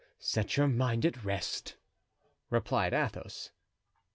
"Set your mind at rest," replied Athos.